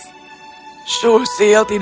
susil tidak tahu apa yang dia lakukan